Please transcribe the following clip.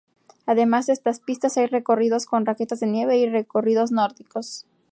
Además de estas pistas, hay recorridos con raquetas de nieve y "recorridos nórdicos".